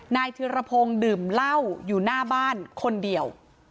ธิรพงศ์ดื่มเหล้าอยู่หน้าบ้านคนเดียว